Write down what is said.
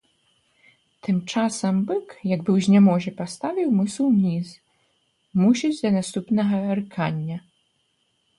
Тым часам бык як бы ў знямозе паставіў мысу ўніз, мусіць да наступнага рыкання.